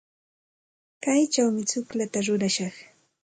Kaychawmi tsukllata rurashaq.